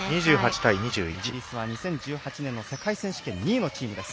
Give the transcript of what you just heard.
イギリスは２０１８年世界選手権２位のチームです。